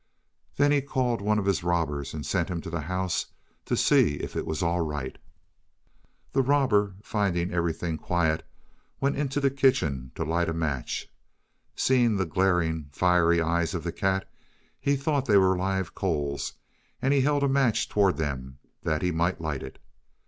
Then he called one of his robbers and sent him to the house to see if it was all right. The robber, finding everything quiet, went into the kitchen to light a match. Seeing the glaring, fiery eyes of the cat, he thought they were live coals, and held a match toward them that he might light it.